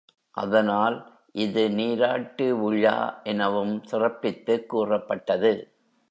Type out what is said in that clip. அதனால் இது நீராட்டு விழா எனவும் சிறப்பித்துக் கூறப்பட்டது.